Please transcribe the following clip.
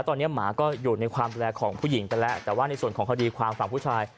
ตอนนี้หมาก็อยู่ในความดูแลของผู้หญิงไปแล้วแต่ว่าในส่วนของคดีความฝั่งผู้ชาย